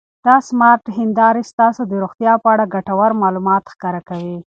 دا سمارټ هېندارې ستاسو د روغتیا په اړه ګټور معلومات ښکاره کوي.